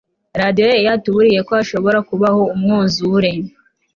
radiyo yari yatuburiye ko hashobora kubaho umwuzure